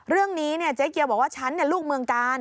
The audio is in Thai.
เรื่องนี้เนี่ยเจ๊เกียวบอกว่าฉันเนี่ยลูกเมืองกาล